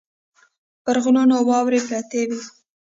پر غرونو واورې پرتې وې.